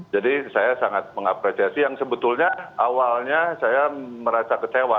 saya sangat mengapresiasi yang sebetulnya awalnya saya merasa kecewa